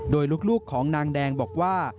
โดยลูกของนางแดงบอกว่า